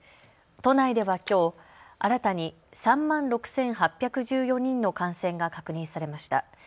都内ではきょう新たに３万６８１４人の感染が確認されました。